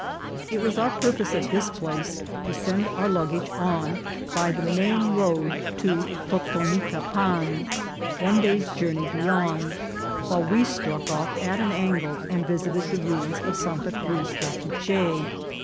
It was our purpose at this place to send our luggage on by the main road to Totonicapan, one day's journey beyond, while we struck off at an angle and visited the ruins of Santa Cruz del Quiche.